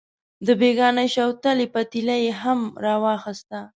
د بېګانۍ شوتلې پتیله یې هم راواخیسته.